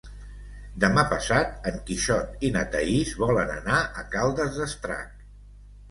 Demà passat en Quixot i na Thaís volen anar a Caldes d'Estrac.